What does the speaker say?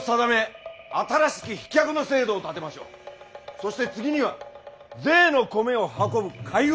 そして次には税の米を運ぶ海運。